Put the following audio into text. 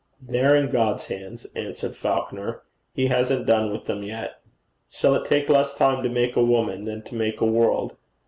'They are in God's hands,' answered Falconer. 'He hasn't done with them yet. Shall it take less time to make a woman than to make a world?